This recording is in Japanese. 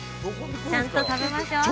◆ちゃんと食べましょう。